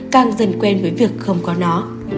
càng dần quen với việc không có nó